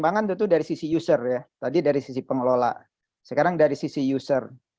pengembangan itu dari sisi user ya tadi dari sisi pengelola sekarang dari sisi user